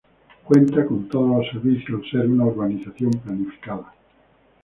Cuenta con todos los servicios al ser una urbanización planificada.